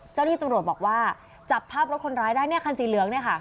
เจ้าหน้าที่ตำรวจบอกว่าจับภาพรถคนร้ายได้เนี่ยคันสีเหลืองเนี่ยค่ะ